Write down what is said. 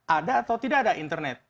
ada atau tidak ada internet